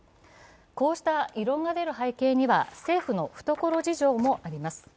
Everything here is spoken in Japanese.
こうした異論が出る背景には政府の懐事情もあります。